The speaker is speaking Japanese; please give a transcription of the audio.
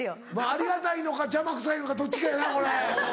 ありがたいのか邪魔くさいのかどっちかやなこれ。